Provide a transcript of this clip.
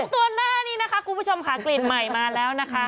ตัวหน้านี้นะคะคุณผู้ชมค่ะกลิ่นใหม่มาแล้วนะคะ